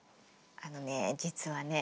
あのね実はね